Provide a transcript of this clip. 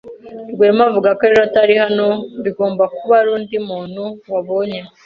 Rwema avuga ko ejo atari hano. Bigomba kuba ari undi muntu wabonye.